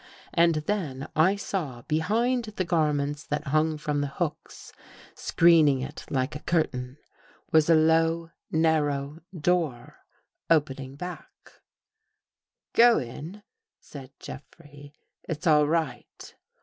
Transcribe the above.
And then I saw behind the gar ments that hung from the hooks, screening it like a curtain, was a low narrow door opening back. " Go in," said Jeffrey. " It's all right."